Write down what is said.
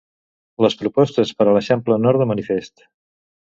Les propostes per a l'Eixample Nord, de manifest.